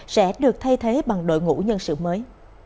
sẽ được thay thế bằng đội ngũ nhân sự mới